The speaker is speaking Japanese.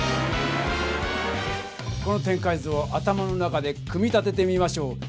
この展開図を頭の中で組み立ててみましょう。